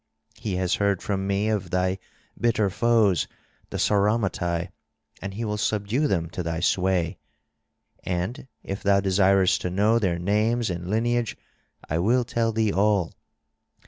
He has heard from me of thy bitter foes the Sauromatae, and he will subdue them to thy sway. And if thou desirest to know their names and lineage I will tell thee all.